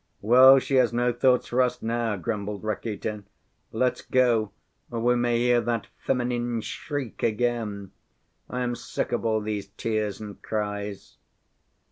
"Well, she has no thoughts for us now!" grumbled Rakitin. "Let's go, or we may hear that feminine shriek again. I am sick of all these tears and cries."